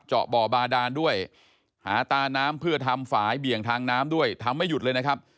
เจาะบ่อบาดานด้วยหาตาน้ำเพื่อทำฝ่ายเบี่ยงทางน้ำด้วยทำไม่หยุดเลยนะครับ